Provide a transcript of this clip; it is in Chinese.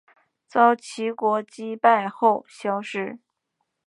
遭齐国击败后消失。